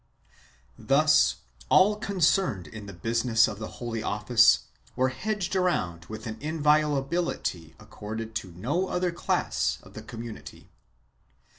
3 Thus all concerned in the business of the Holy Office were hedged around with an inviolability accorded to no other class of the community.